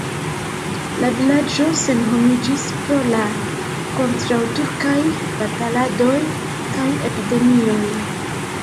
La vilaĝo senhomiĝis pro la kontraŭturkaj bataladoj kaj epidemioj.